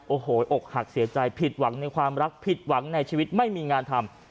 โอ้โหอกหักเสียใจผิดหวังในความรักผิดหวังในชีวิตไม่มีงานทำ